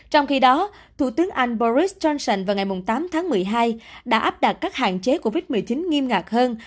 trong khi đó thủ tướng anh boris johnson vào ngày tám tháng một mươi hai đã áp đặt các hạn chế covid một mươi chín nghiêm ngặt hơn